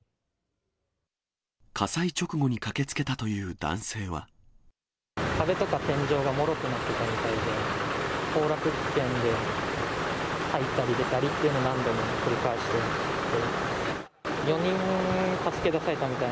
火災直後に駆けつけたという壁とか天井がもろくなってたみたいで、崩落危険で、入ったり出たりっていうのを、何度も繰り返していました。